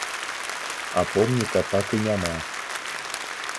А помніка так і няма.